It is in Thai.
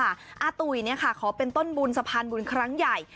อาตุ๋ยขอเป็นต้นบุญสะพานบุญครั้งใหญ่